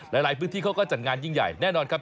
หลายพื้นที่เขาก็จัดงานยิ่งใหญ่แน่นอนครับ